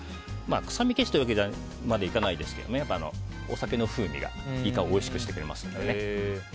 臭み消しとまではいかないですがお酒の風味がイカをおいしくしてくれますので。